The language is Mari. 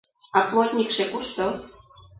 А плотникше кушто?